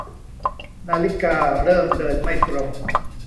นาฬิกาเริ่มเดินไม่ตรง